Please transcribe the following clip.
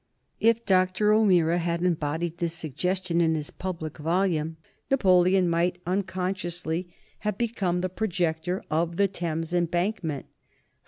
If Dr. O'Meara had embodied this suggestion in his public volume, Napoleon might unconsciously have become the projector of the Thames Embankment.